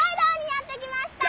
やってきました！